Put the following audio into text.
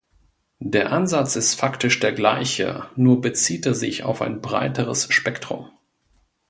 Der Ansatz ist faktisch der gleiche, nur bezieht er sich auf ein breiteres Spektrum.